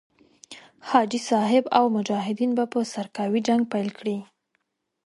حاجي صاحب او مجاهدین به په سرکاوي جنګ پيل کړي.